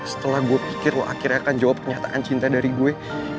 setelah gue pikir lo akhirnya akan jawab kenyataan cinta dari gue